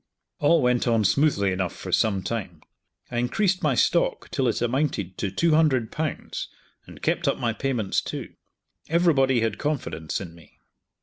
All went on smoothly enough for some time. I increased my stock till it amounted to two hundred pounds, and kept up my payments too. Everybody had confidence in me.